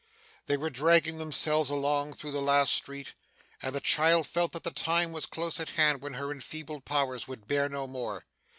They were dragging themselves along through the last street, and the child felt that the time was close at hand when her enfeebled powers would bear no more.